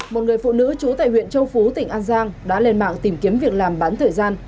một người phụ nữ trú tại huyện châu phú tỉnh an giang đã lên mạng tìm kiếm việc làm bán thời gian